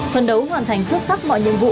phần đấu hoàn thành xuất sắc mọi nhiệm vụ